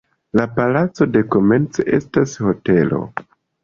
La palaco dekomence estas hotelo.